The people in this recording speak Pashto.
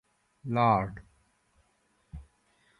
لارډ سالیزبوري لارډ اوډو رسل ته په لیک کې وایي.